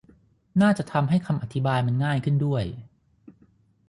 น่าจะทำให้คำอธิบายมันง่ายขึ้นด้วย